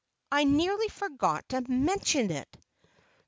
I nearly forgot to mention it."